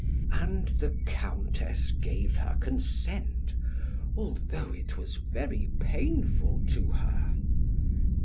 And the Countess gave her consent, although it was very painful to her.